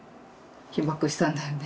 被爆したんだよね。